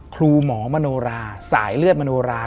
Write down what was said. ครูหมอมโนราสายเลือดมโนรา